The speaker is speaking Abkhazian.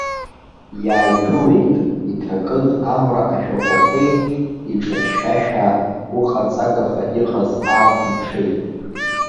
Иааиԥылеит, иҭакыз амра ашәахәақәеи иҿыхьшәашәаа-гәыҟаҵагаха иҟаз ааԥын-ԥшеи.